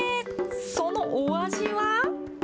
そのお味は？